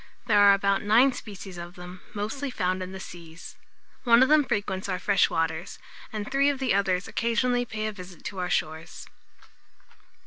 There are about nine species of them, mostly found in the seas. One of them frequents our fresh waters, and three of the others occasionally pay a visit to our shores.